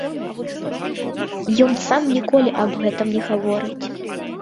Ён сам ніколі аб гэтым не гаворыць.